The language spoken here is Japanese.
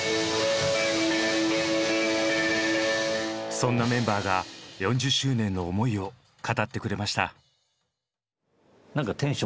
そんなメンバーが４０周年の思いを語ってくれました。